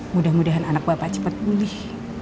mudah mudahan anak bapak cepat pulih